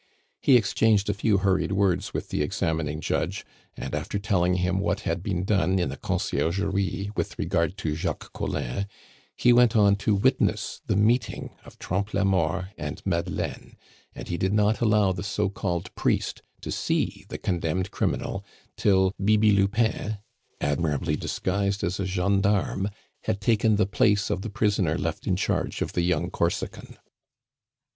He exchanged a few hurried words with the examining judge; and after telling him what had been done at the Conciergerie with regard to Jacques Collin, he went on to witness the meeting of Trompe la Mort and Madeleine; and he did not allow the so called priest to see the condemned criminal till Bibi Lupin, admirably disguised as a gendarme, had taken the place of the prisoner left in charge of the young Corsican.